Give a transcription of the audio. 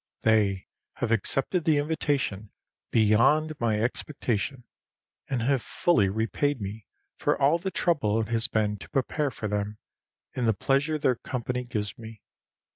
They have accepted the invitation beyond my expectation, and have fully repaid me for all the trouble it has been to prepare for them, in the pleasure their company gives me.